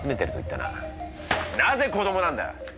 なぜ子どもなんだ！